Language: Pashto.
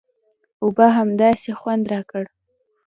اوبو همداسې خوند راکړ.